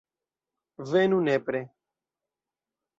Venu nepre.